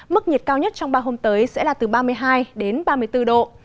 mức nhiệt cao nhất trong ba hôm tới sẽ là từ ba mươi hai đến ba mươi bốn độ